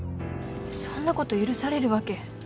そんなこと許されるわけ。